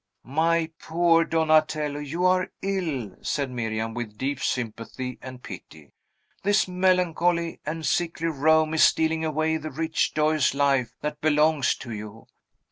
"My poor Donatello, you are ill!" said Miriam, with deep sympathy and pity. "This melancholy and sickly Rome is stealing away the rich, joyous life that belongs to you.